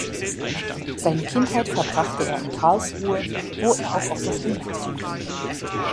Seine Kindheit verbrachte er in Karlsruhe, wo er auch auf das Gymnasium ging.